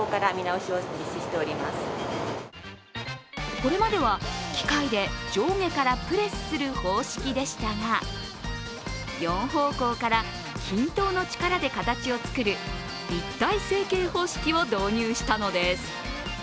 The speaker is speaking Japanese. これまでは機械で上下からプレスする方式でしたが、４方向から均等の力で形をつくる立体成型方式を導入したのです。